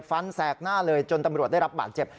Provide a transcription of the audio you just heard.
แสกหน้าเลยจนตำรวจได้รับบาดเจ็บ